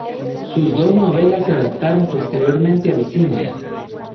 Sus dos novelas se adaptaron posteriormente al cine.